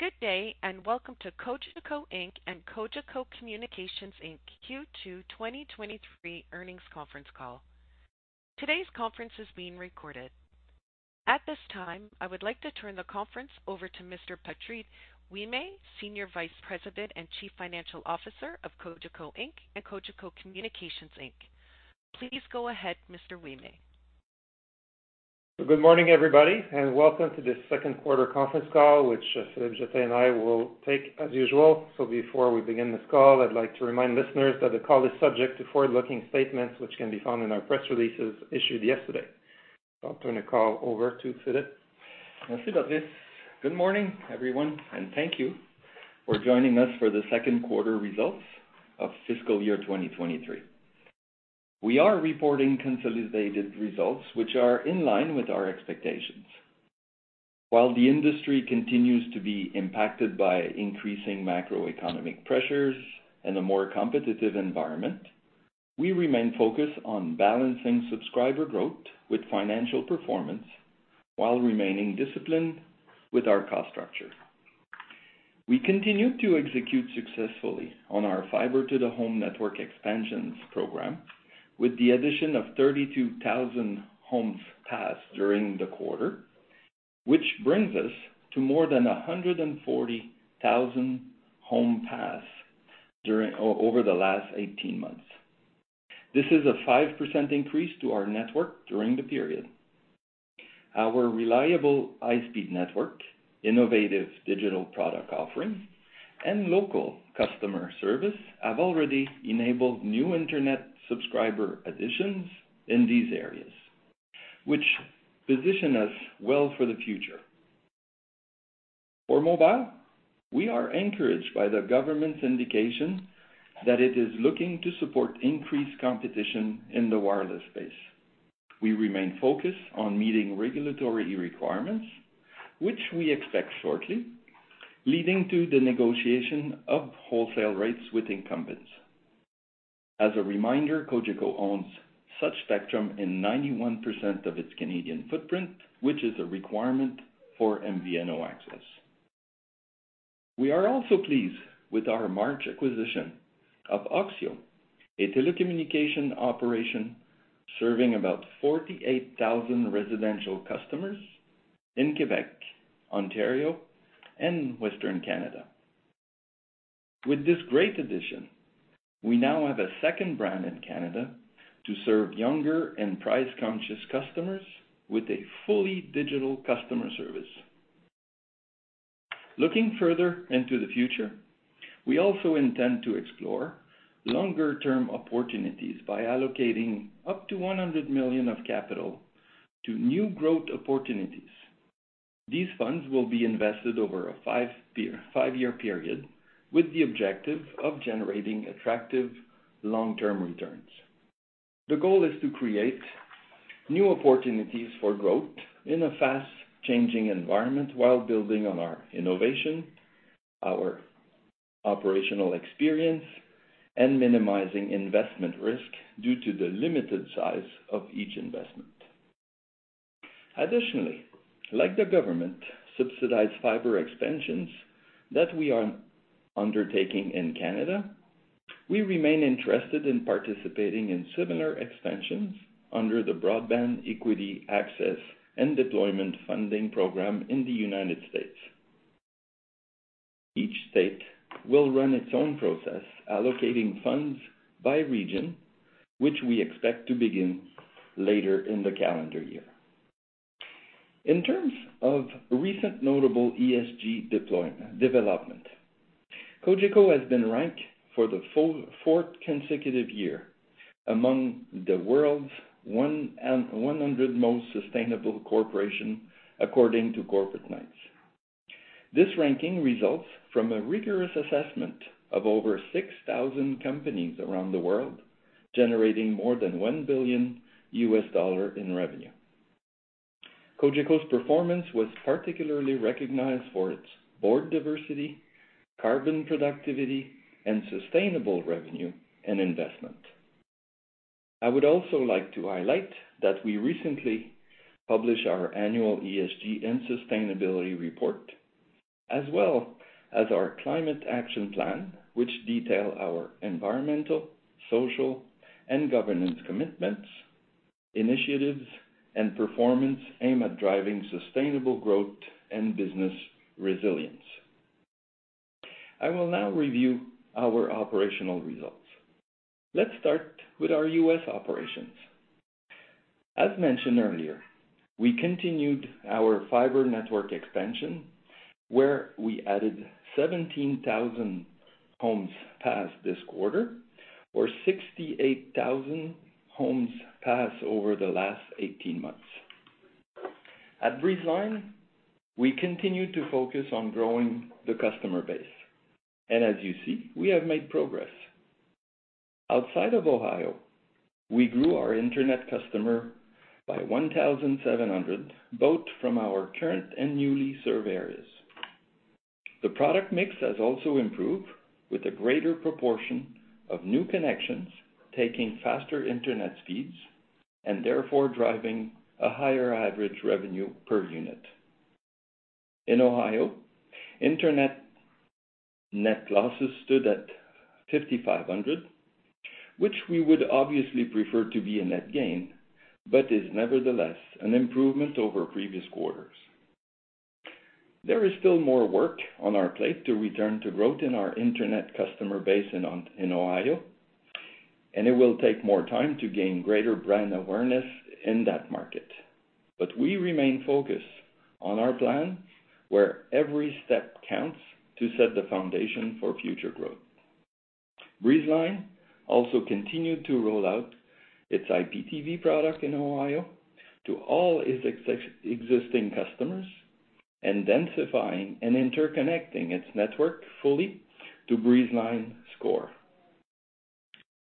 Good day, welcome to Cogeco Inc. and Cogeco Communications Inc. Q2 2023 earnings conference call. Today's conference is being recorded. At this time, I would like to turn the conference over to Mr. Patrice Ouimet, Senior Vice President and Chief Financial Officer of Cogeco Inc. and Cogeco Communications Inc. Please go ahead, Mr. Ouimet. Good morning, everybody, and welcome to this second quarter conference call, which Philippe Jetté and I will take as usual. Before we begin this call, I'd like to remind listeners that the call is subject to forward-looking statements, which can be found in our press releases issued yesterday. I'll turn the call over to Philippe. Merci, Patrice. Good morning, everyone, thank you for joining us for the second quarter results of fiscal year 2023. We are reporting consolidated results which are in line with our expectations. While the industry continues to be impacted by increasing macroeconomic pressures and a more competitive environment, we remain focused on balancing subscriber growth with financial performance while remaining disciplined with our cost structure. We continue to execute successfully on our fiber to the home network expansions program with the addition of 32,000 homes passed during the quarter, which brings us to more than 140,000 home passed over the last 18 months. This is a 5% increase to our network during the period. Our reliable high-speed network, innovative digital product offerings, and local customer service have already enabled new internet subscriber additions in these areas, which position us well for the future. For mobile, we are encouraged by the government's indication that it is looking to support increased competition in the wireless space. We remain focused on meeting regulatory requirements, which we expect shortly, leading to the negotiation of wholesale rates with incumbents. As a reminder, Cogeco owns such spectrum in 91% of its Canadian footprint, which is a requirement for MVNO access. We are also pleased with our March acquisition of oxio, a telecommunication operation serving about 48,000 residential customers in Quebec, Ontario, and Western Canada. With this great addition, we now have a second brand in Canada to serve younger and price-conscious customers with a fully digital customer service. Looking further into the future, we also intend to explore longer-term opportunities by allocating up to 100 million of capital to new growth opportunities. These funds will be invested over a 5-year period with the objective of generating attractive long-term returns. The goal is to create new opportunities for growth in a fast-changing environment while building on our innovation, our operational experience, and minimizing investment risk due to the limited size of each investment. Additionally, like the government-subsidized fiber expansions that we are undertaking in Canada, we remain interested in participating in similar expansions under the Broadband Equity, Access, and Deployment funding program in the United States. Each state will run its own process allocating funds by region, which we expect to begin later in the calendar year. In terms of recent notable ESG development, Cogeco has been ranked for the fourth consecutive year among the world's 100 most sustainable corporation, according to Corporate Knights. This ranking results from a rigorous assessment of over 6,000 companies around the world, generating more than $1 billion in revenue. Cogeco's performance was particularly recognized for its board diversity, carbon productivity, and sustainable revenue and investment. I would also like to highlight that we recently published our annual ESG and sustainability report, as well as our climate action plan, which detail our environmental, social, and governance commitments, initiatives, and performance aimed at driving sustainable growth and business resilience. I will now review our operational results. Let's start with our U.S. operations. As mentioned earlier, we continued our fiber network expansion, where we added 17,000 homes passed this quarter or 68,000 homes passed over the last 18 months. At Breezeline, we continue to focus on growing the customer base. As you see, we have made progress. Outside of Ohio, we grew our internet customer by 1,700, both from our current and newly served areas. The product mix has also improved with a greater proportion of new connections taking faster internet speeds and therefore driving a higher average revenue per unit. In Ohio, internet net losses stood at 5,500, which we would obviously prefer to be a net gain, but is nevertheless an improvement over previous quarters. There is still more work on our plate to return to growth in our internet customer base in Ohio, and it will take more time to gain greater brand awareness in that market. But we remain focused on our plan, where every step counts to set the foundation for future growth. Breezeline also continued to roll out its IPTV product in Ohio to all its existing customers, and densifying and interconnecting its network fully to Breezeline's core.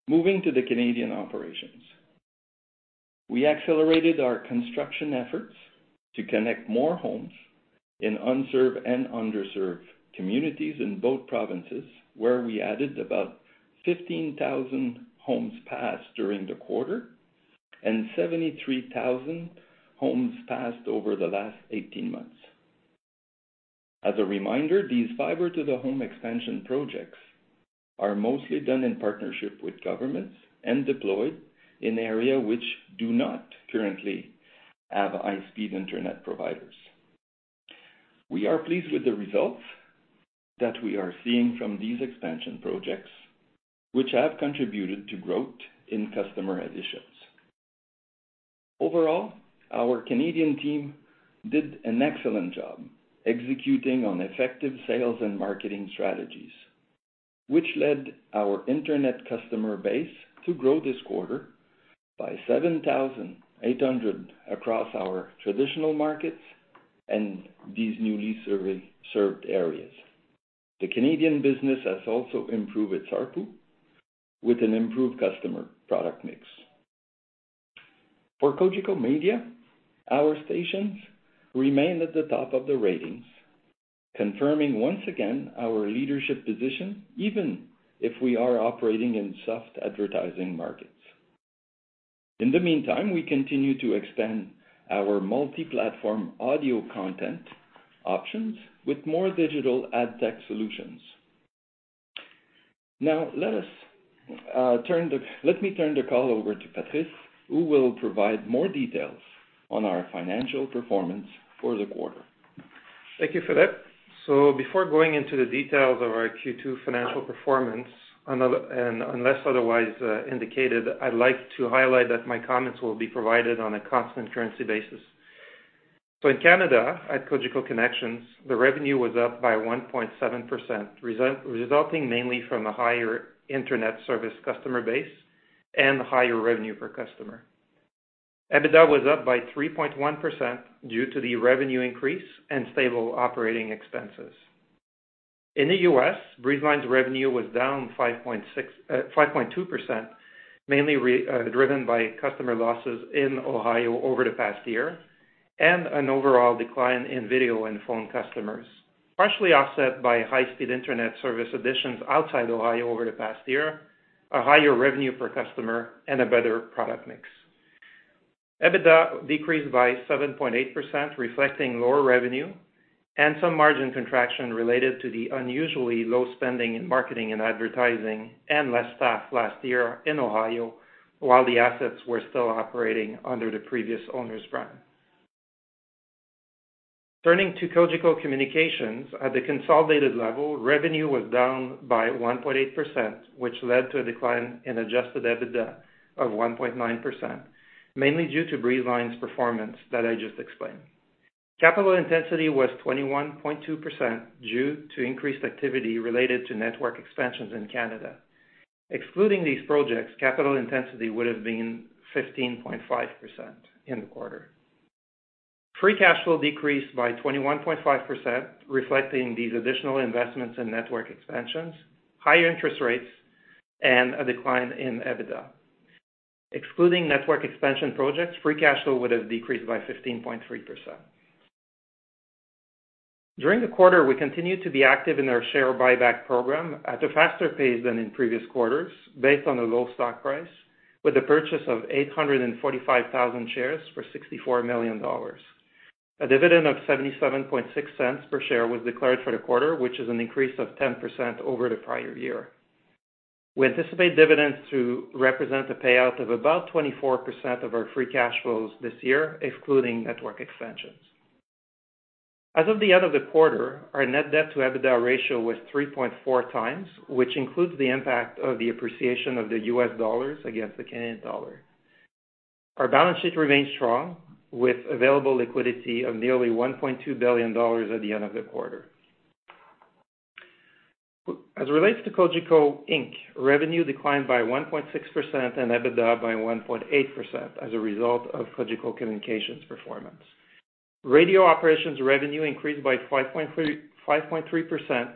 Moving to the Canadian operations. We accelerated our construction efforts to connect more homes in unserved and underserved communities in both provinces, where we added about 15,000 homes passed during the quarter and 73,000 homes passed over the last 18 months. As a reminder, these fiber to the home expansion projects are mostly done in partnership with governments and deployed in area which do not currently have high-speed internet providers. We are pleased with the results that we are seeing from these expansion projects, which have contributed to growth in customer additions. Overall, our Canadian team did an excellent job executing on effective sales and marketing strategies, which led our internet customer base to grow this quarter by 7,800 across our traditional markets and these newly survey- served areas. The Canadian business has also improved its ARPU with an improved customer product mix. For Cogeco Media, our stations remain at the top of the ratings, confirming once again our leadership position, even if we are operating in soft advertising markets. In the meantime, we continue to extend our multi-platform audio content options with more digital ad tech solutions. Let me turn the call over to Patrice, who will provide more details on our financial performance for the quarter. Thank you, Philippe. Before going into the details of our Q2 financial performance, unless otherwise indicated, I'd like to highlight that my comments will be provided on a constant currency basis. In Canada, at Cogeco Connexion, the revenue was up by 1.7% resulting mainly from a higher internet service customer base and higher revenue per customer. EBITDA was up by 3.1% due to the revenue increase and stable operating expenses. In the U.S., Breezeline's revenue was down 5.2%, mainly driven by customer losses in Ohio over the past year and an overall decline in video and phone customers, partially offset by high-speed internet service additions outside Ohio over the past year, a higher revenue per customer, and a better product mix. EBITDA decreased by 7.8%, reflecting lower revenue and some margin contraction related to the unusually low spending in marketing and advertising and less staff last year in Ohio, while the assets were still operating under the previous owner's brand. Turning to Cogeco Communications, at the consolidated level, revenue was down by 1.8%, which led to a decline in adjusted EBITDA of 1.9%, mainly due to Breezeline's performance that I just explained. Capital intensity was 21.2% due to increased activity related to network expansions in Canada. Excluding these projects, capital intensity would've been 15.5% in the quarter. Free cash flow decreased by 21.5%, reflecting these additional investments in network expansions, higher interest rates, and a decline in EBITDA. Excluding network expansion projects, free cash flow would've decreased by 15.3%. During the quarter, we continued to be active in our share buyback program at a faster pace than in previous quarters based on a low stock price with the purchase of 845,000 shares for 64 million dollars. A dividend of 0.776 per share was declared for the quarter, which is an increase of 10% over the prior year. We anticipate dividends to represent a payout of about 24% of our free cash flows this year, excluding network expansions. As of the end of the quarter, our net debt to EBITDA ratio was 3.4 times, which includes the impact of the appreciation of the US dollars against the Canadian dollar. Our balance sheet remains strong, with available liquidity of nearly 1.2 billion dollars at the end of the quarter. As it relates to Cogeco Inc., revenue declined by 1.6% and EBITDA by 1.8% as a result of Cogeco Communications' performance. Radio operations revenue increased by 5.3%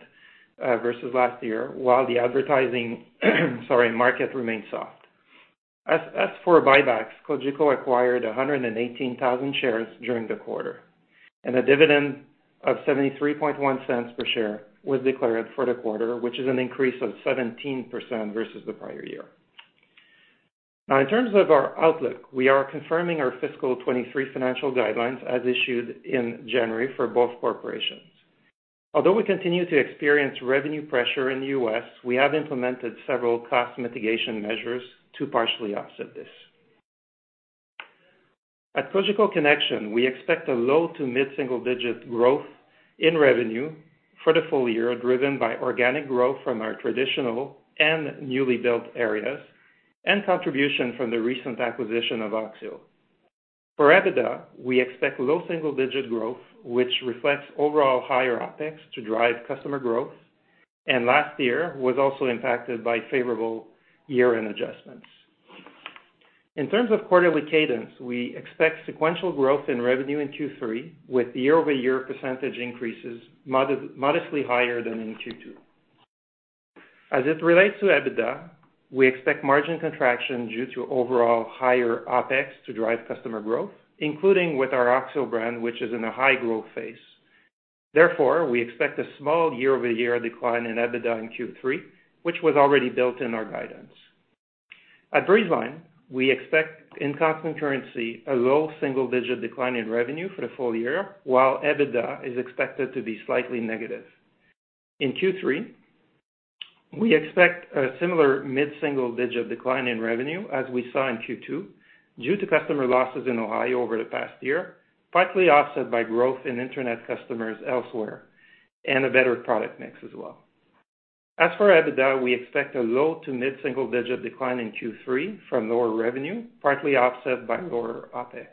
versus last year, while the advertising market remained soft. As for buybacks, Cogeco acquired 118,000 shares during the quarter, and a dividend of 0.731 per share was declared for the quarter, which is an increase of 17% versus the prior year. In terms of our outlook, we are confirming our fiscal 23 financial guidelines as issued in January for both corporations. We continue to experience revenue pressure in the US, we have implemented several cost mitigation measures to partially offset this. At Cogeco Connexion, we expect a low to mid-single digit growth in revenue for the full year, driven by organic growth from our traditional and newly built areas and contribution from the recent acquisition of oxio. For EBITDA, we expect low single-digit growth, which reflects overall higher OpEx to drive customer growth, and last year was also impacted by favorable year-end adjustments. In terms of quarterly cadence, we expect sequential growth in revenue in Q3 with year-over-year percentage increases modestly higher than in Q2. As it relates to EBITDA, we expect margin contraction due to overall higher OpEx to drive customer growth, including with our oxio brand, which is in a high growth phase. Therefore, we expect a small year-over-year decline in EBITDA in Q3, which was already built in our guidance. At Breezeline, we expect, in constant currency, a low single-digit decline in revenue for the full year, while EBITDA is expected to be slightly negative. In Q3, we expect a similar mid-single digit decline in revenue as we saw in Q2 due to customer losses in Ohio over the past year, partly offset by growth in internet customers elsewhere and a better product mix as well. As for EBITDA, we expect a low to mid-single digit decline in Q3 from lower revenue, partly offset by lower OpEx.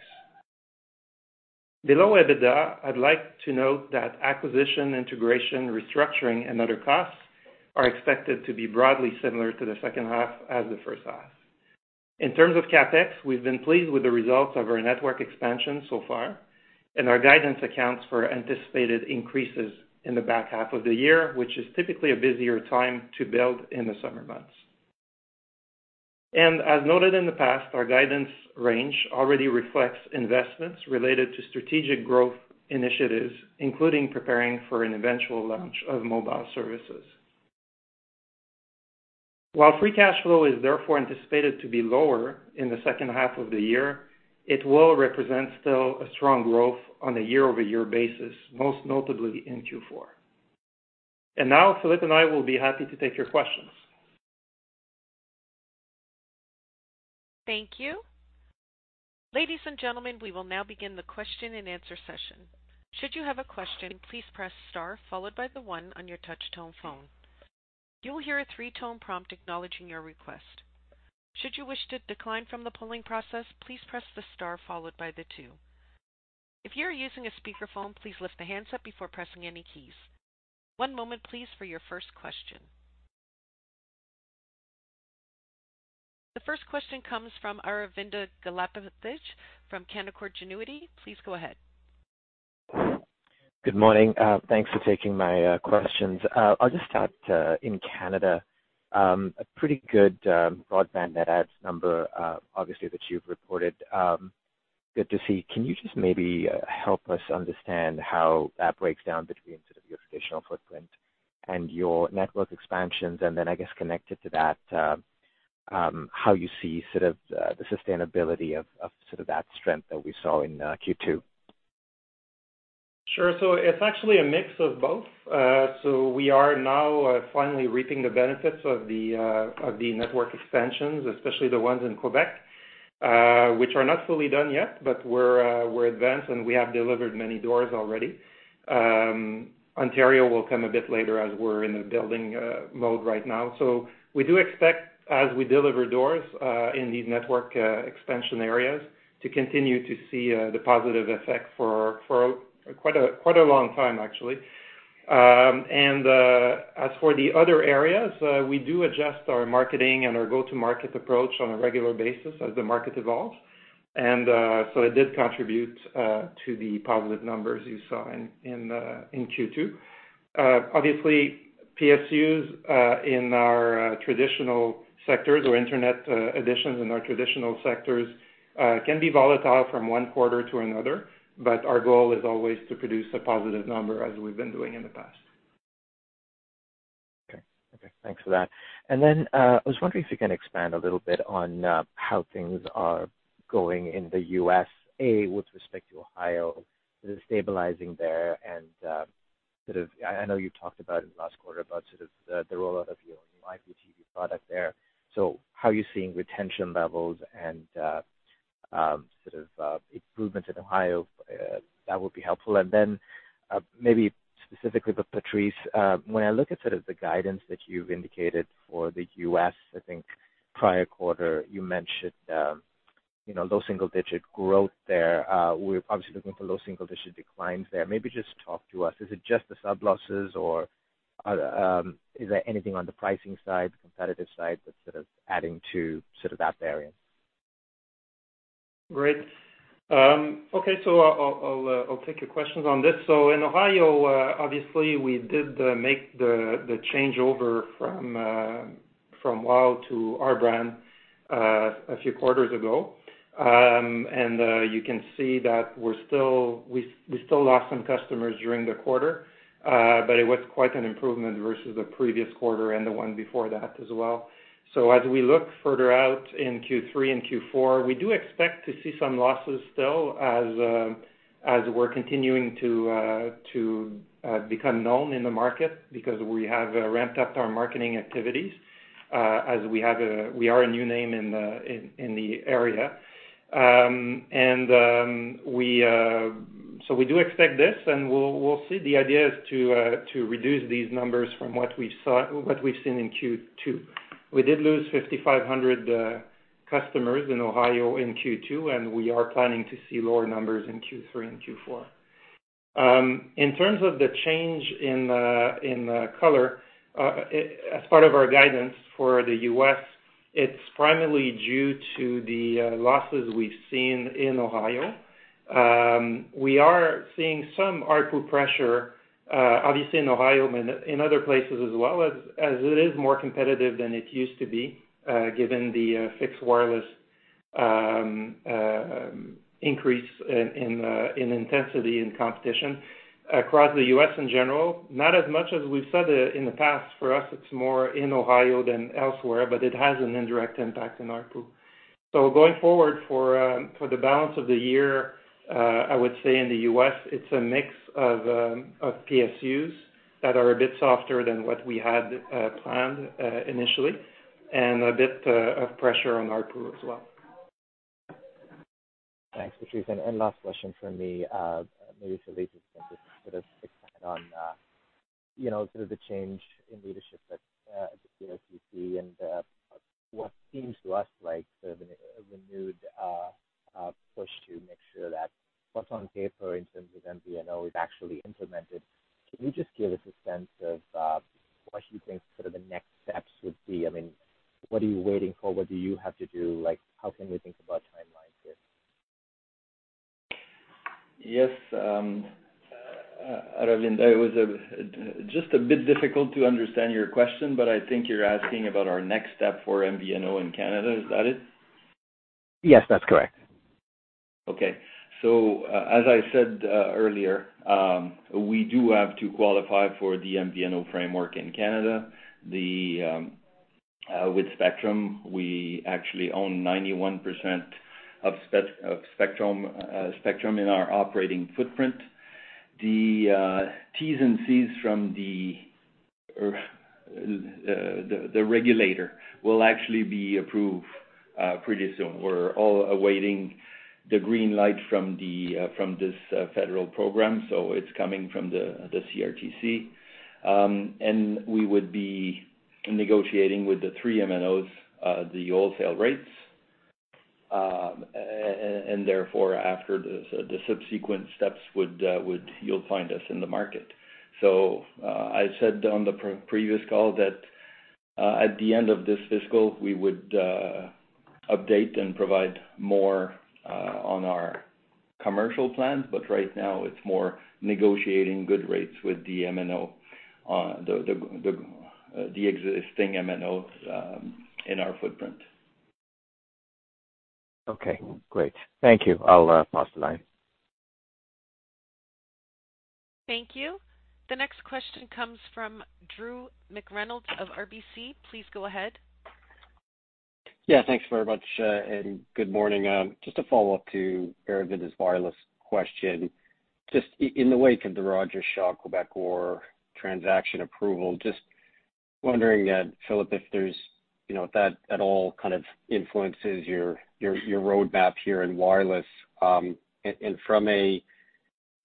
Below EBITDA, I'd like to note that acquisition, integration, restructuring, and other costs are expected to be broadly similar to the second half as the first half. In terms of CapEx, we've been pleased with the results of our network expansion so far. Our guidance accounts for anticipated increases in the back half of the year, which is typically a busier time to build in the summer months. As noted in the past, our guidance range already reflects investments related to strategic growth initiatives, including preparing for an eventual launch of mobile services. While free cash flow is therefore anticipated to be lower in the second half of the year, it will represent still a strong growth on a year-over-year basis, most notably in Q4. Now Philippe and I will be happy to take your questions. Thank you. Ladies and gentlemen, we will now begin the question-and-answer session. Should you have a question, please press star followed by the one on your touch tone phone. You will hear a three-tone prompt acknowledging your request. Should you wish to decline from the polling process, please press the star followed by the two. If you are using a speakerphone, please lift the handset before pressing any keys. One moment please for your first question. The first question comes from Aravinda Galappatthige from Canaccord Genuity. Please go ahead. Good morning. Thanks for taking my questions. I'll just start in Canada, a pretty good broadband net adds number, obviously that you've reported, good to see. Can you just maybe help us understand how that breaks down between sort of your traditional footprint and your network expansions? I guess connected to that, how you see sort of the sustainability of sort of that strength that we saw in Q2? Sure. It's actually a mix of both. We are now finally reaping the benefits of the of the network expansions, especially the ones in Quebec, which are not fully done yet, but we're advanced, and we have delivered many doors already. Ontario will come a bit later as we're in a building mode right now. We do expect, as we deliver doors, in these network expansion areas, to continue to see the positive effect for quite a long time actually. As for the other areas, we do adjust our marketing and our go-to-market approach on a regular basis as the market evolves. It did contribute to the positive numbers you saw in Q2. Obviously PSUs in our traditional sectors or internet additions in our traditional sectors can be volatile from one quarter to another, but our goal is always to produce a positive number as we've been doing in the past. Okay, thanks for that. I was wondering if you can expand a little bit on how things are going in the U.S.A. with respect to Ohio, is it stabilizing there? I know you talked about in the last quarter about the rollout of your new IPTV product there. So how are you seeing retention levels and improvements in Ohio? That would be helpful. Then maybe specifically for Patrice, when I look at the guidance that you've indicated for the U.S., I think prior quarter you mentioned low single digit growth there. We're obviously looking for low single digit declines there. Maybe just talk to us, is it just the sub losses or are, is there anything on the pricing side, competitive side that's sort of adding to sort of that variance? Great. Okay, I'll take your questions on this. In Ohio, obviously we did make the changeover from WOW! to our brand a few quarters ago. You can see that we still lost some customers during the quarter. It was quite an improvement versus the previous quarter and the one before that as well. As we look further out in Q3 and Q4, we do expect to see some losses still as we're continuing to become known in the market because we have ramped up our marketing activities as we are a new name in the area. We do expect this, and we'll see. The idea is to reduce these numbers from what we've seen in Q2. We did lose 5,500 customers in Ohio in Q2. We are planning to see lower numbers in Q3 and Q4. In terms of the change in the, in the color, as part of our guidance for the U.S., it's primarily due to the losses we've seen in Ohio. We are seeing some RPU pressure, obviously in Ohio and in other places as well, as it is more competitive than it used to be, given the fixed wireless increase in intensity and competition across the U.S. in general. Not as much as we've said it in the past. For us, it's more in Ohio than elsewhere. It has an indirect impact in RPU. Going forward for for the balance of the year, I would say in the U.S. it's a mix of of PSUs that are a bit softer than what we had planned initially, and a bit of pressure on RPU as well. Thanks, Patrice. Last question from me, maybe for Philippe to sort of expand on, you know, sort of the change in leadership at the CRTC and, what seems to us like sort of a renewed, push to make sure that what's on paper in terms of MVNO is actually implemented. Can you just give us a sense of, what you think sort of the next steps would be? I mean, what are you waiting for? What do you have to do? Like, how can we think about timelines here? Yes. Aravind, it was just a bit difficult to understand your question, but I think you're asking about our next step for MVNO in Canada. Is that it? Yes, that's correct. Okay. As I said earlier, we do have to qualify for the MVNO framework in Canada. The with Spectrum, we actually own 91% of Spectrum in our operating footprint. The Ts and Cs from the regulator will actually be approved pretty soon. We're all awaiting the green light from this federal program, it's coming from the CRTC. We would be negotiating with the three MNOs the wholesale rates. Therefore, after the subsequent steps, you'll find us in the market. I said on the previous call that at the end of this fiscal, we would update and provide more on our commercial plans. Right now, it's more negotiating good rates with the MNO, the existing MNOs, in our footprint. Okay, great. Thank you. I'll pass the line. Thank you. The next question comes from Drew McReynolds of RBC. Please go ahead. Thanks very much, and good morning. Just a follow-up to Aravind's wireless question. Just in the wake of the Rogers, Shaw, Quebecor transaction approval, just wondering, Philippe, if there's, you know, if that at all kind of influences your roadmap here in wireless. From a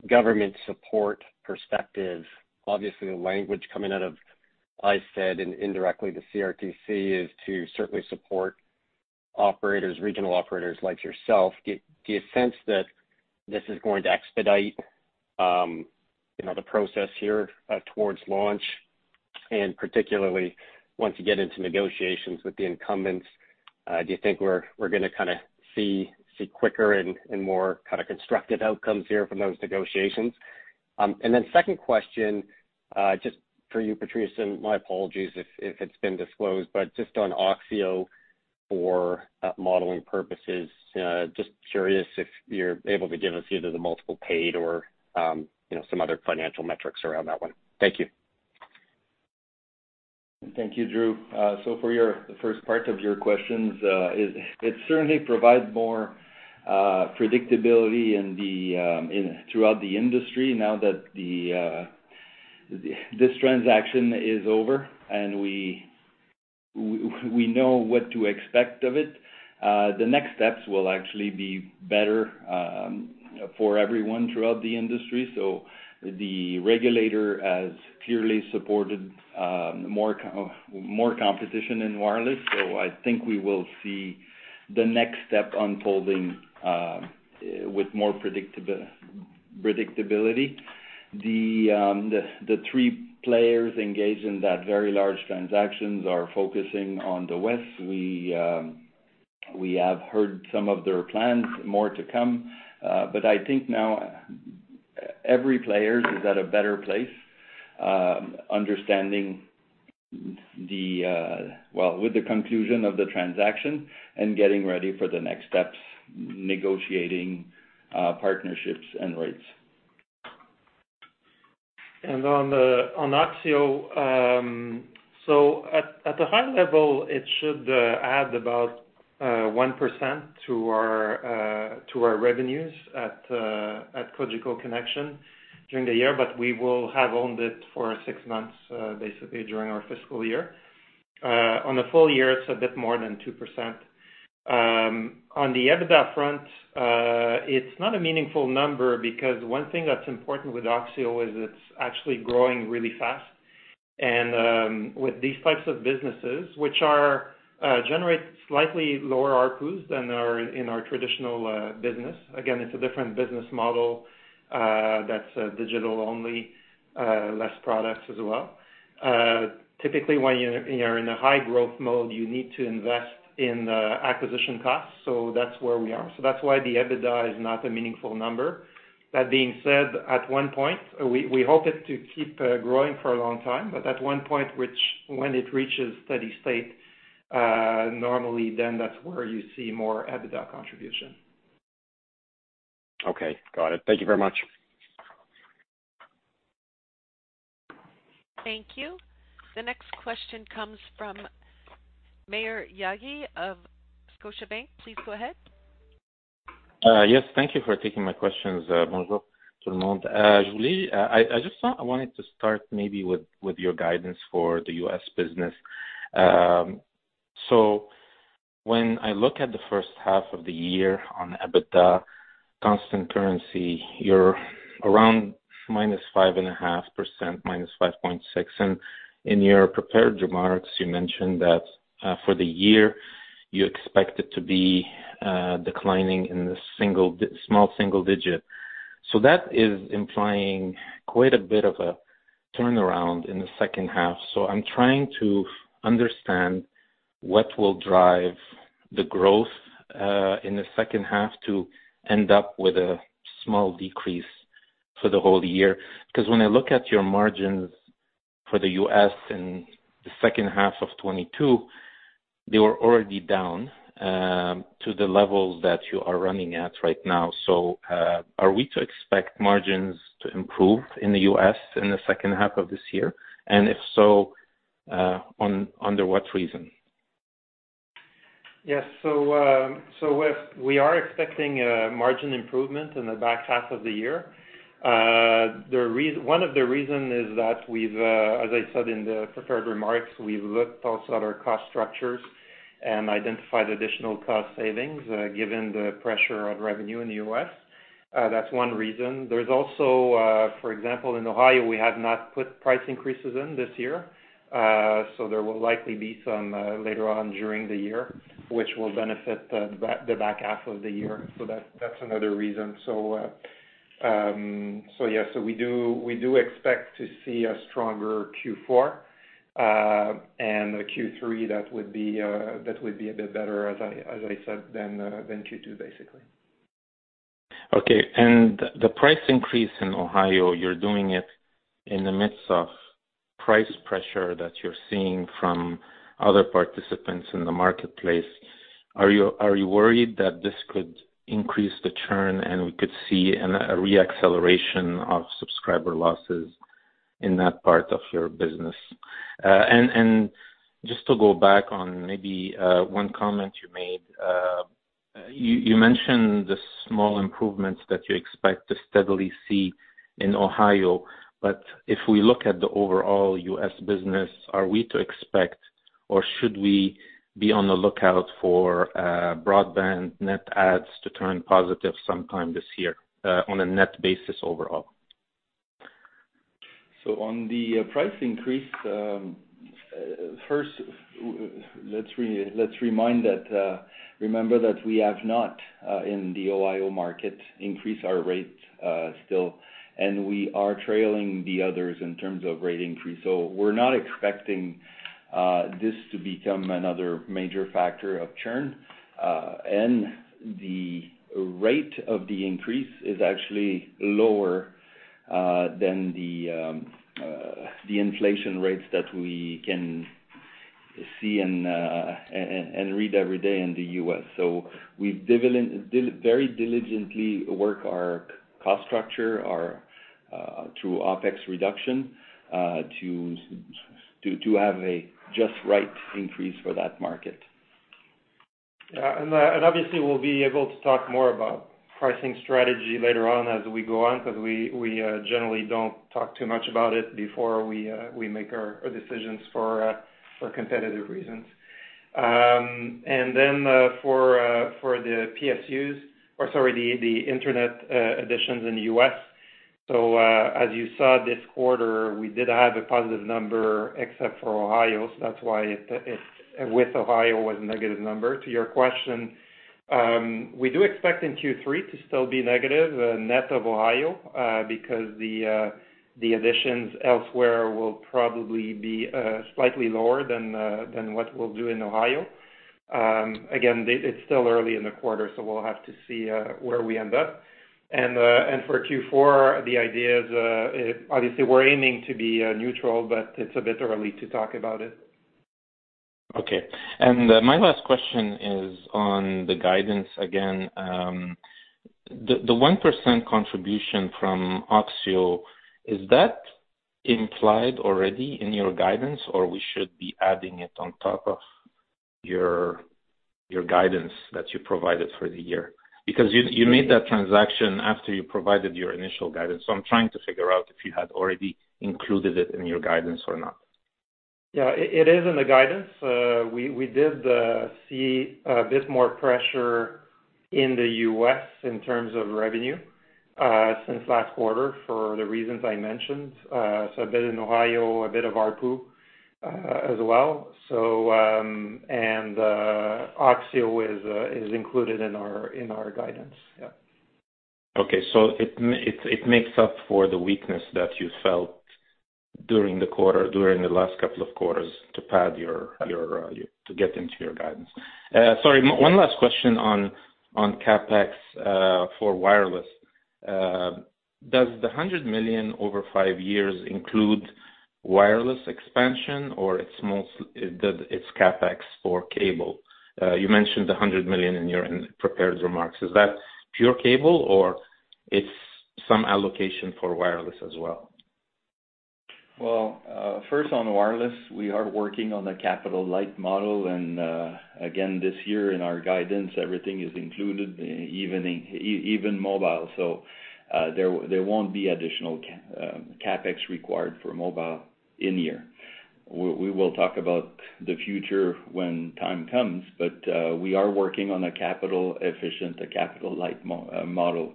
government support perspective, obviously, the language coming out of ISED and indirectly the CRTC is to certainly support operators, regional operators like yourself. Do you sense that this is going to expedite, you know, the process here towards launch? Particularly once you get into negotiations with the incumbents, do you think we're gonna kinda see quicker and more kinda constructive outcomes here from those negotiations? Second question, just for you, Patrice, and my apologies if it's been disclosed, but just on oxio for modeling purposes, just curious if you're able to give us either the multiple paid or, you know, some other financial metrics around that one. Thank you. Thank you, Drew. For your, the first part of your questions, it certainly provides more predictability in the, in, throughout the industry now that this transaction is over and we know what to expect of it. The next steps will actually be better for everyone throughout the industry. The regulator has clearly supported more competition in wireless. I think we will see the next step unfolding with more predictabi- Predictability. The three players engaged in that very large transactions are focusing on the West. We have heard some of their plans, more to come. I think now every player is at a better place. Well, with the conclusion of the transaction and getting ready for the next steps, negotiating partnerships and rates. On oxio, so at the high level, it should add about 1% to our revenues at Cogeco Connexion during the year, but we will have owned it for six months basically during our fiscal year. On the full year, it's a bit more than 2%. On the EBITDA front, it's not a meaningful number because one thing that's important with oxio is it's actually growing really fast. With these types of businesses, which are generate slightly lower ARPU than our in our traditional business. It's a different business model that's digital only, less products as well. Typically, when you're in a high growth mode, you need to invest in acquisition costs, so that's where we are. That's why the EBITDA is not a meaningful number. That being said, at one point, we hope it to keep growing for a long time, but at one point which when it reaches steady state, normally, then that's where you see more EBITDA contribution. Okay. Got it. Thank you very much. Thank you. The next question comes from Maher Yaghi of Scotiabank. Please go ahead. Yes, thank you for taking my questions. Jetté, I just thought I wanted to start maybe with your guidance for the U.S. business. When I look at the first half of the year on EBITDA constant currency, you're around -5.5%, -5.6%. In your prepared remarks, you mentioned that for the year, you expect it to be declining in the small single digit. That is implying quite a bit of a turnaround in the second half. I'm trying to understand what will drive the growth in the second half to end up with a small decrease for the whole year. When I look at your margins for the U.S. in the second half of 2022, they were already down to the levels that you are running at right now. Are we to expect margins to improve in the U.S. in the second half of this year? If so, under what reason? Yes. So we are expecting a margin improvement in the back half of the year. One of the reason is that we've, as I said in the prepared remarks, we've looked also at our cost structures and identified additional cost savings, given the pressure on revenue in the U.S. That's one reason. There's also, for example, in Ohio, we have not put price increases in this year, so there will likely be some later on during the year, which will benefit the back half of the year. That's another reason. Yes. We do expect to see a stronger Q4 and a Q3 that would be a bit better, as I said, than Q2, basically. Okay. The price increase in Ohio, you're doing it in the midst of price pressure that you're seeing from other participants in the marketplace. Are you worried that this could increase the churn, and we could see a re-acceleration of subscriber losses in that part of your business? Just to go back on maybe one comment you made. You mentioned the small improvements that you expect to steadily see in Ohio. If we look at the overall U.S. business, are we to expect, or should we be on the lookout for, broadband net adds to turn positive sometime this year, on a net basis overall? On the price increase, first, let's remind that remember that we have not in the Ohio market increased our rates still, and we are trailing the others in terms of rate increase. We're not expecting this to become another major factor of churn. The rate of the increase is actually lower than the inflation rates that we can see and read every day in the US. We've very diligently work our cost structure, our through OpEx reduction to have a just right increase for that market. Yeah. Obviously, we'll be able to talk more about pricing strategy later on as we go on because we generally don't talk too much about it before we make our decisions for competitive reasons. Then, for the PSUs, or sorry, the internet additions in the U.S., as you saw this quarter, we did have a positive number except for Ohio. That's why with Ohio, it was a negative number. To your question, we do expect in Q3 to still be negative net of Ohio, because the additions elsewhere will probably be slightly lower than what we'll do in Ohio. Again, it's still early in the quarter, we'll have to see where we end up. For Q4, the idea is, obviously we're aiming to be neutral, but it's a bit early to talk about it. Okay. My last question is on the guidance again. The 1% contribution from oxio, is that implied already in your guidance or we should be adding it on top of your guidance that you provided for the year? Because you made that transaction after you provided your initial guidance. I'm trying to figure out if you had already included it in your guidance or not. It is in the guidance. We did see a bit more pressure in the U.S. in terms of revenue since last quarter for the reasons I mentioned. A bit in Ohio, a bit of ARPU as well. oxio is included in our guidance. Yeah. Okay. It makes up for the weakness that you felt during the quarter, during the last couple of quarters to pad your, to get into your guidance. Sorry, one last question on CapEx for wireless. Does the 100 million over five years include wireless expansion or that it's CapEx for cable? You mentioned the 100 million in your prepared remarks. Is that pure cable or it's some allocation for wireless as well? First on wireless, we are working on a capital-light model. Again, this year in our guidance, everything is included, even mobile. There won't be additional CapEx required for mobile in here. We will talk about the future when time comes. We are working on a capital efficient, a capital-light model.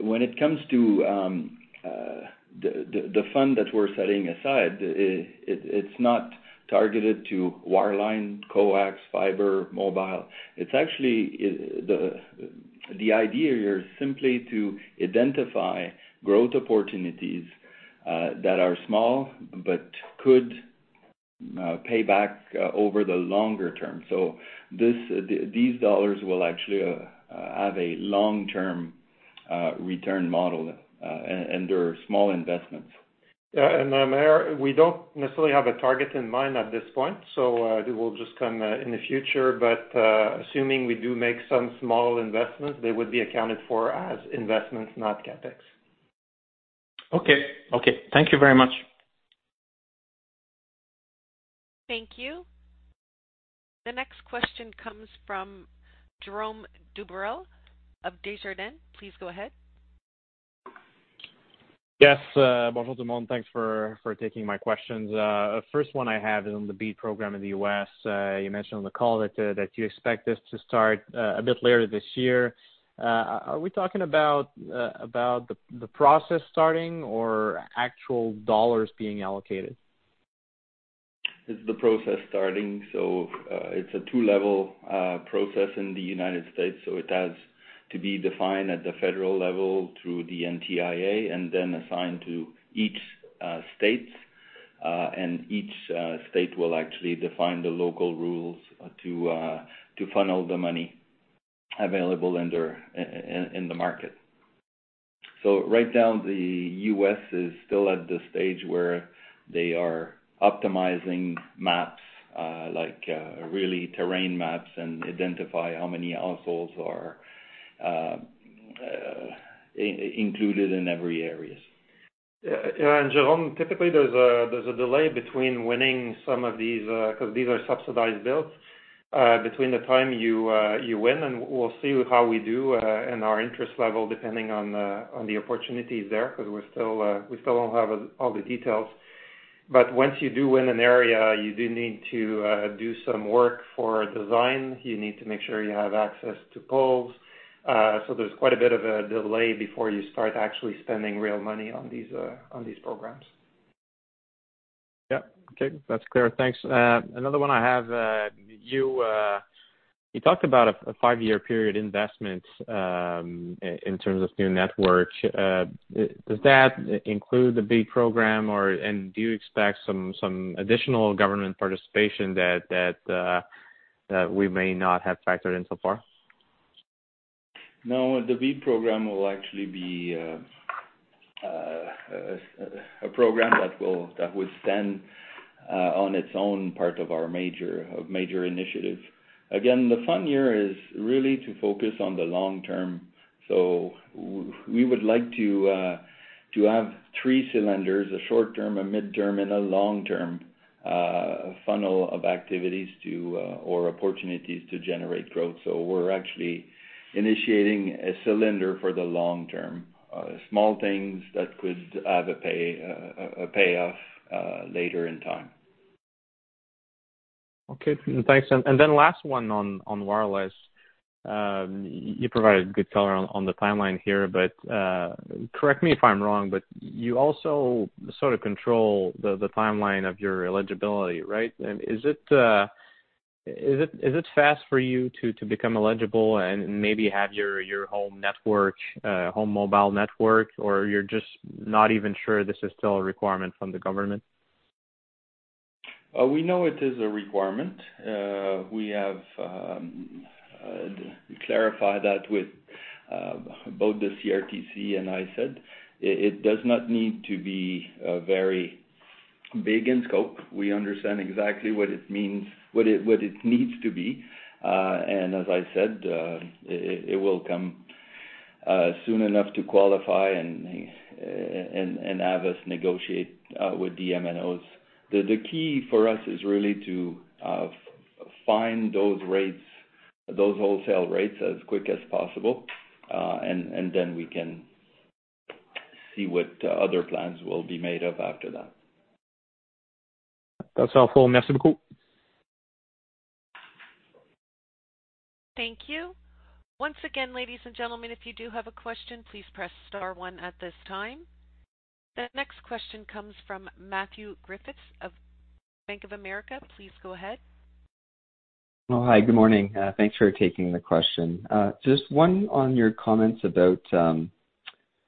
When it comes to the fund that we're setting aside, it's not targeted to wireline, coax, fiber, mobile. It's actually. The idea here is simply to identify growth opportunities that are small but could pay back over the longer term. These dollars will actually have a long-term return model. They're small investments. Yeah. Maher, we don't necessarily have a target in mind at this point, so it will just come in the future. Assuming we do make some small investments, they would be accounted for as investments, not CapEx. Okay. Okay. Thank you very much. Thank you. The next question comes from Jérome Dubreuil of Desjardins. Please go ahead. Yes. Bonjour tout le monde. Thanks for taking my questions. First one I have is on the BEAD program in the U.S. Are we talking about the process starting or actual dollars being allocated? It's the process starting. It's a two-level process in the United States, so it has to be defined at the federal level through the NTIA and then assigned to each state. Each state will actually define the local rules to funnel the money available in the market. Right now, the US is still at the stage where they are optimizing maps, like really terrain maps and identify how many households are included in every areas. Yeah. Jérome, typically, there's a delay between winning some of these, 'cause these are subsidized builds, between the time you win, and we'll see how we do in our interest level, depending on the opportunities there, because we're still, we still don't have all the details. Once you do win an area, you do need to do some work for design. You need to make sure you have access to poles. There's quite a bit of a delay before you start actually spending real money on these programs. Yeah. Okay. That's clear. Thanks. Another one I have, you talked about a five-year period investment in terms of new network. Does that include the BEAD program and do you expect some additional government participation that we may not have factored in so far? No, the BEAD program will actually be a program that will stand on its own part of our major initiatives. The fund here is really to focus on the long-term. We would like to have three cylinders: a short-term, a midterm, and a long-term funnel of activities to or opportunities to generate growth. We're actually initiating a cylinder for the long term. Small things that could have a payoff later in time. Okay. Thanks. Then last one on wireless. You provided good color on the timeline here, but correct me if I'm wrong, but you also sort of control the timeline of your eligibility, right? Is it fast for you to become eligible and maybe have your home network, home mobile network, or you're just not even sure this is still a requirement from the government? We know it is a requirement. We have clarified that with both the CRTC and ISED, it does not need to be very big in scope. We understand exactly what it means, what it needs to be. As I said, it will come soon enough to qualify and have us negotiate with the MNOs. The key for us is really to find those rates, those wholesale rates as quick as possible, and then we can see what other plans will be made up after that. That's all for me. Merci beaucoup. Thank you. Once again, ladies and gentlemen, if you do have a question, please press star one at this time. The next question comes from Matthew Griffiths of Bank of America. Please go ahead. Well, hi. Good morning. Thanks for taking the question. Just one on your comments about,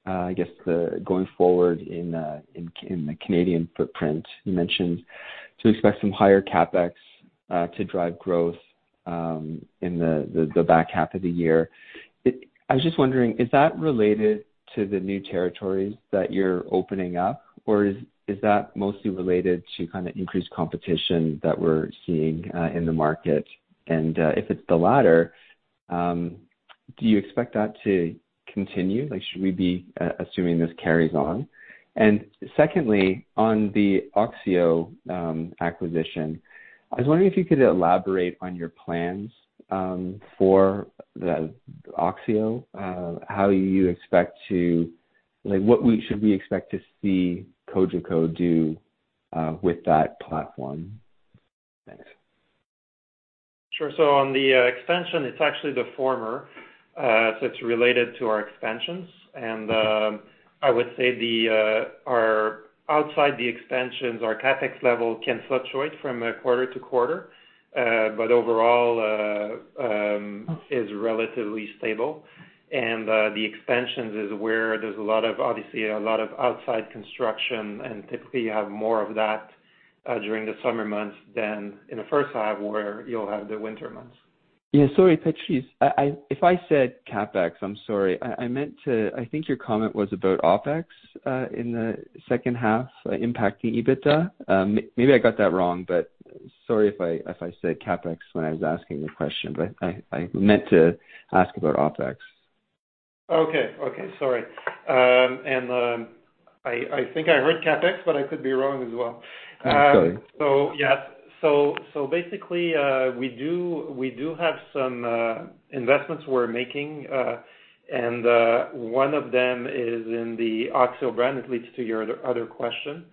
I guess the going forward in the Canadian footprint. You mentioned to expect some higher CapEx to drive growth in the back half of the year. I was just wondering, is that related to the new territories that you're opening up, or is that mostly related to kinda increased competition that we're seeing in the market? If it's the latter, do you expect that to continue? Like, should we be assuming this carries on? Secondly, on the oxio acquisition, I was wondering if you could elaborate on your plans for the oxio. How you expect to? Like, what should we expect to see Cogeco do with that platform? Thanks. Sure. on the extension, it's actually the former, so it's related to our expansions. I would say the outside the expansions, our CapEx level can fluctuate from quarter to quarter. overall is relatively stable. the expansions is where there's a lot of, obviously a lot of outside construction. typically, you have more of that during the summer months than in the first half where you'll have the winter months. Yeah. Sorry, Patrice. I if I said CapEx, I'm sorry. I think your comment was about OpEx in the second half impacting EBITDA. Maybe I got that wrong, but sorry if I said CapEx when I was asking the question, but I meant to ask about OpEx. Okay. Okay. Sorry. I think I heard CapEx, but I could be wrong as well. I'm sorry. Yeah. Basically, we do have some investments we're making. One of them is in the oxio brand, which leads to your other question,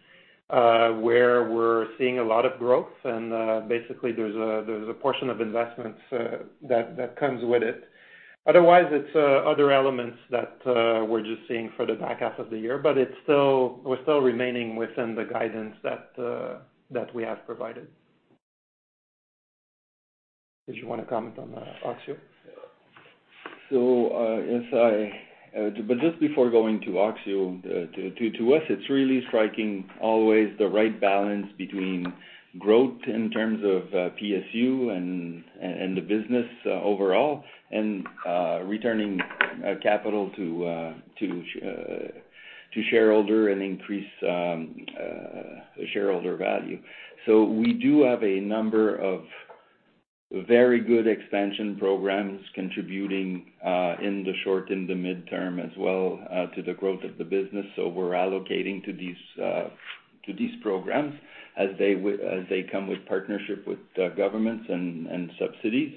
where we're seeing a lot of growth. Basically, there's a portion of investments that comes with it. Otherwise, it's other elements that we're just seeing for the back half of the year. It's still... we're still remaining within the guidance that we have provided. Did you wanna comment on oxio? Just before going to oxio, to us, it's really striking always the right balance between growth in terms of PSUs and the business overall, and returning capital to shareholders and increase shareholder value. We do have a number of very good expansion programs contributing in the short and the midterm as well to the growth of the business. We're allocating to these to these programs as they come with partnership with governments and subsidies.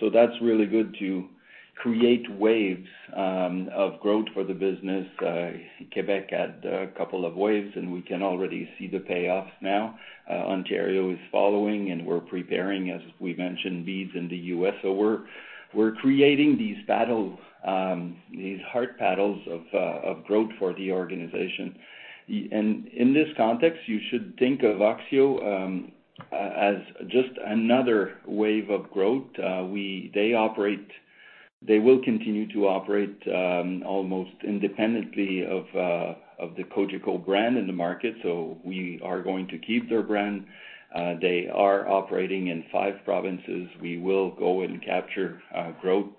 That's really good to create waves of growth for the business. Quebec had a couple of waves, and we can already see the payoffs now. Ontario is following, and we're preparing, as we mentioned, bids in the U.S. We're creating these paddle, these heart paddles of growth for the organization. In this context, you should think of oxio as just another wave of growth. They will continue to operate almost independently of the Cogeco brand in the market, so we are going to keep their brand. They are operating in five provinces. We will go and capture growth,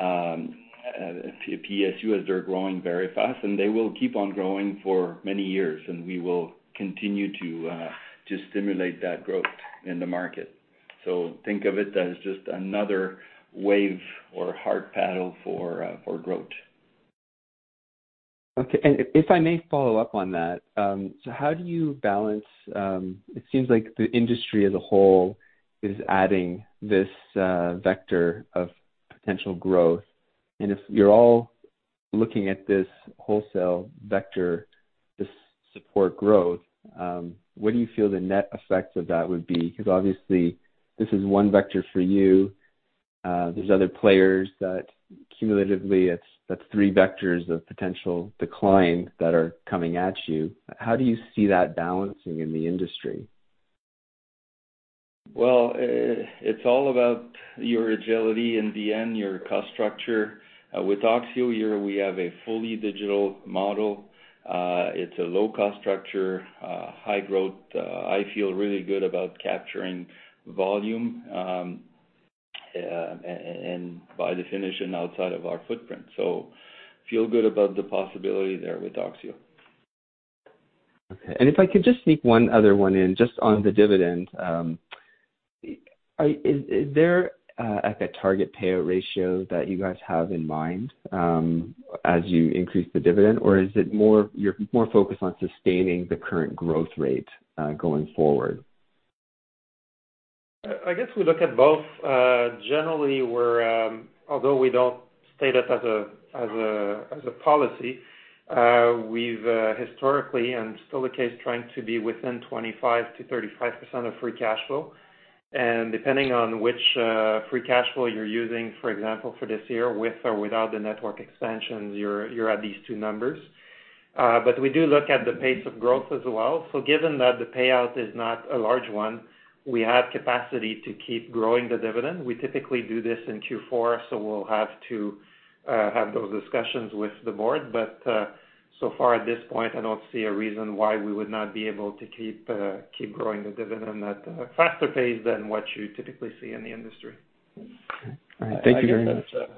PSU, as they're growing very fast, and they will keep on growing for many years, and we will continue to stimulate that growth in the market. Think of it as just another wave or heart paddle for growth. Okay. If I may follow up on that, how do you balance. It seems like the industry as a whole is adding this vector of potential growth. If you're all looking at this wholesale vector to support growth, what do you feel the net effect of that would be? Obviously this is one vector for you. There's other players that cumulatively that's three vectors of potential decline that are coming at you. How do you see that balancing in the industry? Well, it's all about your agility in the end, your cost structure. With oxio here, we have a fully digital model. It's a low-cost structure, high growth. I feel really good about capturing volume, and by definition, outside of our footprint. Feel good about the possibility there with oxio. Okay. If I could just sneak one other one in just on the dividend. Is there at that target payout ratio that you guys have in mind as you increase the dividend? Or is it more you're more focused on sustaining the current growth rate going forward? I guess we look at both. Generally we're, although we don't state it as a policy, we've historically and still the case, trying to be within 25%-35% of free cash flow. Depending on which free cash flow you're using, for example, for this year, with or without the network expansion, you're at these two numbers. We do look at the pace of growth as well. Given that the payout is not a large one, we have capacity to keep growing the dividend. We typically do this in Q4. We'll have to have those discussions with the board. So far at this point, I don't see a reason why we would not be able to keep growing the dividend at a faster pace than what you typically see in the industry. All right. Thank you very much. I guess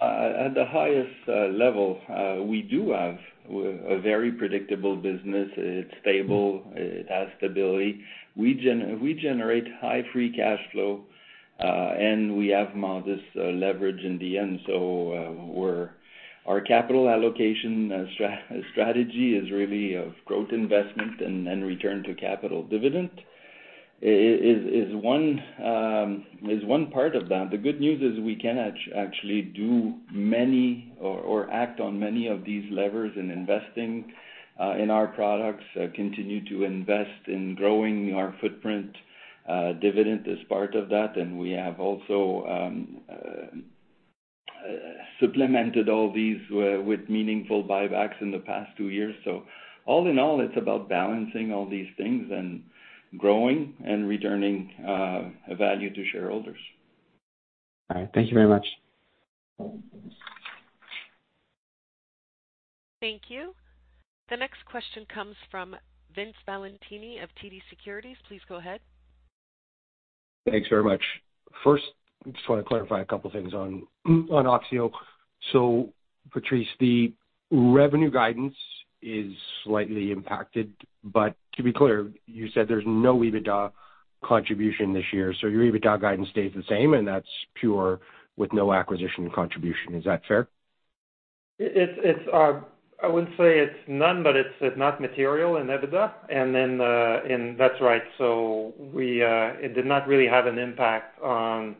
at the highest level, we do have a very predictable business. It's stable. It has stability. We generate high free cash flow, and we have modest leverage in the end. Our capital allocation strategy is really of growth investment and return to capital. Dividend is one part of that. The good news is we can actually do many or act on many of these levers in investing in our products, continue to invest in growing our footprint. Dividend is part of that, and we have also supplemented all these with meaningful buybacks in the past two years. All in all, it's about balancing all these things and growing and returning value to shareholders. All right. Thank you very much. Thanks. Thank you. The next question comes from Vince Valentini of TD Securities. Please go ahead. Thanks very much. First, I just want to clarify a couple of things on oxio. Patrice, the revenue guidance is slightly impacted, to be clear, you said there's no EBITDA contribution this year, your EBITDA guidance stays the same and that's pure with no acquisition contribution. Is that fair? It's I wouldn't say it's none, but it's not material in EBITDA. That's right. It did not really have an impact on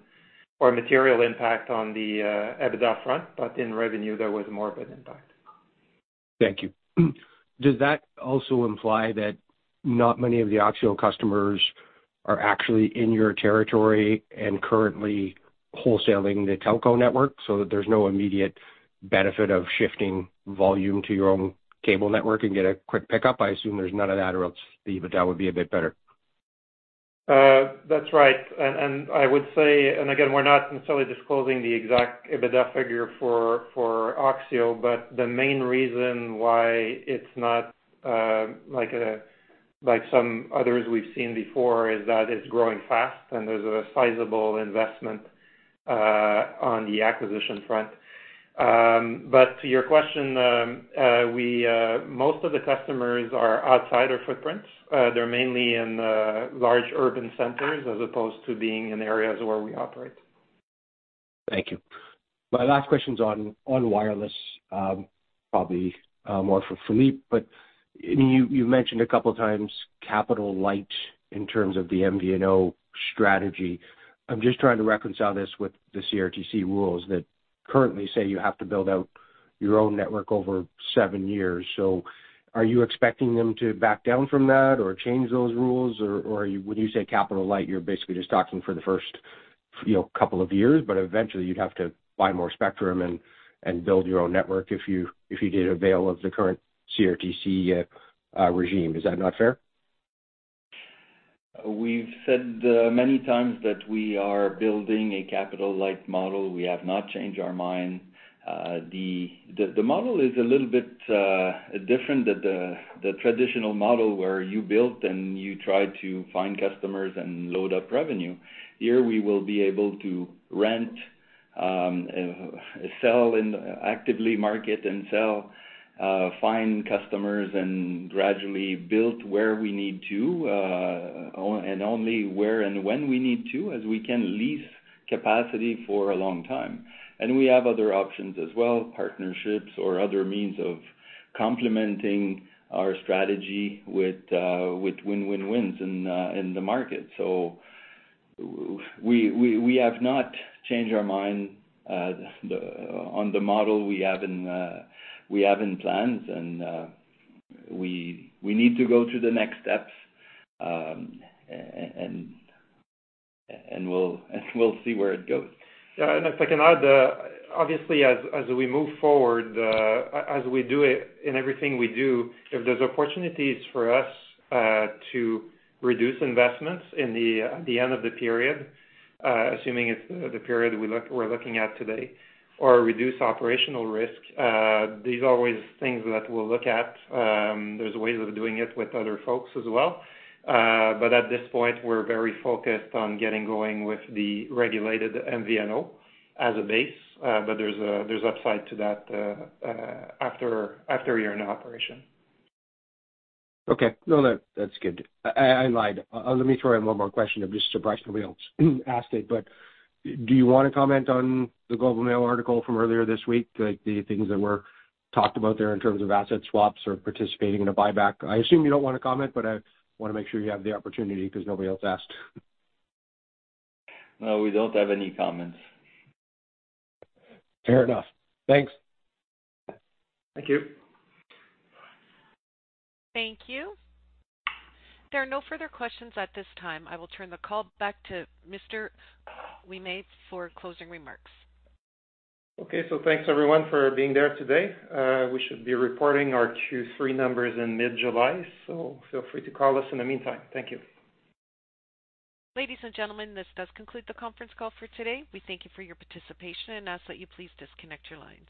or material impact on the EBITDA front, but in revenue, there was more of an impact. Thank you. Does that also imply that not many of the oxio customers are actually in your territory and currently wholesaling the telco network so that there's no immediate benefit of shifting volume to your own cable network and get a quick pickup? I assume there's none of that or else the EBITDA would be a bit better. That's right. I would say, and again, we're not necessarily disclosing the exact EBITDA figure for oxio, but the main reason why it's not like some others we've seen before, is that it's growing fast and there's a sizable investment on the acquisition front. To your question, we most of the customers are outside our footprints. They're mainly in large urban centers as opposed to being in areas where we operate. Thank you. My last question is on wireless, probably more for Philippe, but you mentioned a couple of times capital light in terms of the MVNO strategy. I'm just trying to reconcile this with the CRTC rules that currently say you have to build out your own network over seven years. Are you expecting them to back down from that or change those rules? Or when you say capital light, you're basically just talking for the first, you know, couple of years, but eventually you'd have to buy more spectrum and build your own network if you did avail of the current CRTC regime. Is that not fair? We've said many times that we are building a capital light model. We have not changed our mind. The, the model is a little bit different than the traditional model where you built and you try to find customers and load up revenue. Here we will be able to rent, sell and actively market and sell, find customers, and gradually build where we need to, and only where and when we need to, as we can lease capacity for a long time. We have other options as well, partnerships or other means of complementing our strategy with win-win-wins in the market. We have not changed our mind, on the model we have in plans and, we need to go through the next steps, and we'll see where it goes. Yeah. If I can add, obviously as we move forward, as we do it in everything we do, if there's opportunities for us to reduce investments in the end of the period, assuming it's the period we're looking at today or reduce operational risk, these are always things that we'll look at. There's ways of doing it with other folks as well. At this point, we're very focused on getting going with the regulated MVNO as a base. There's upside to that after a year in operation. Okay. No, that's good. I lied. Let me throw in one more question. I'm just surprised nobody else asked it. Do you wanna comment on The Globe and Mail article from earlier this week? The things that were talked about there in terms of asset swaps or participating in a buyback? I assume you don't wanna comment. I wanna make sure you have the opportunity because nobody else asked. No, we don't have any comments. Fair enough. Thanks. Thank you. Thank you. There are no further questions at this time. I will turn the call back to Mr. Ouimet for closing remarks. Okay. Thanks everyone for being there today. We should be reporting our Q3 numbers in mid-July. Feel free to call us in the meantime. Thank you. Ladies and gentlemen, this does conclude the conference call for today. We thank you for your participation and ask that you please disconnect your lines.